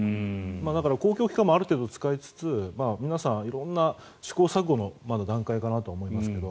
だから、公共機関もある程度使いつつ皆さん、色んな試行錯誤の段階かなとは思いますが。